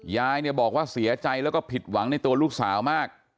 ยายเนี่ยบอกว่าเสียใจแล้วก็ผิดหวังในตัวลูกสาวมาก